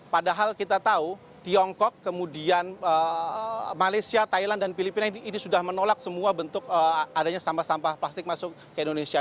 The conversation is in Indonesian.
padahal kita tahu tiongkok kemudian malaysia thailand dan filipina ini sudah menolak semua bentuk adanya sampah sampah plastik masuk ke indonesia